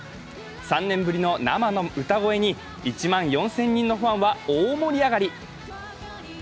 ３年ぶりの生の歌声に１万４０００人のファンは大盛り上がり。